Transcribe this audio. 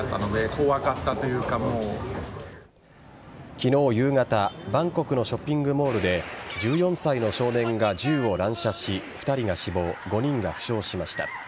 昨日夕方バンコクのショッピングモールで１４歳の少年が銃を乱射し２人が死亡、５人が負傷しました。